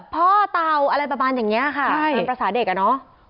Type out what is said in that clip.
พ่อเต่าอะไรประมาณอย่างเนี้ยค่ะนั่นภาษาเด็กอะเนาะ